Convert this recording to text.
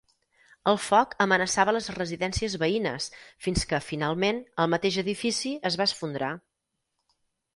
El foc amenaçava les residències veïnes fins que, finalment, el mateix edifici es va esfondrar.